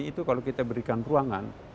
itu kalau kita berikan ruangan